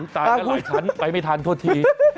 ตายเป็นรายชั้นไปไม่ทันโทษที